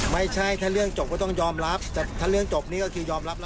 ไม่ใช่ถ้าเรื่องจบก็ต้องยอมรับแต่ถ้าเรื่องจบนี่ก็คือยอมรับแล้ว